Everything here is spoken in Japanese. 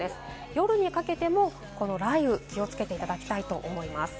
夜にかけてもこの雷雨、気をつけていただきたいと思います。